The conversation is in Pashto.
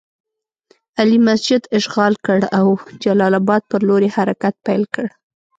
علي مسجد اشغال کړ او جلال اباد پر لور یې حرکت پیل کړ.